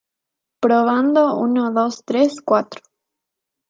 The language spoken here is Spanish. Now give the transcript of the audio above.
Lechero, aunque sospecha, está satisfecho por ahora.